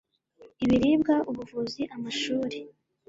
ibiribwa, ubuvuzi, amashuli